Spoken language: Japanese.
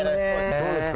どうですか？